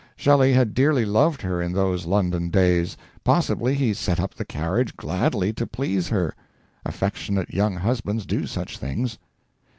Shelley had dearly loved her in those London days; possibly he set up the carriage gladly to please her; affectionate young husbands do such things.